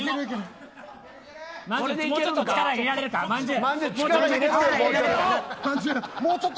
もうちょっと力入れられるか、まんじゅう。